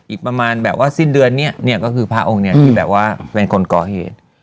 อีกประมาณแบบว่าสิ้นเดือนนี่นี่ก็คือพระองค์กอเหตุ